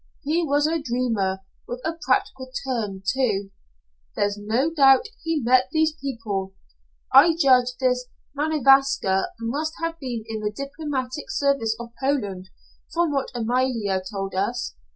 He was a dreamer with a practical turn, too. There, no doubt, he met these people. I judge this Manovska must have been in the diplomatic service of Poland, from what Amalia told us.